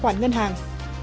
quản ngân hàng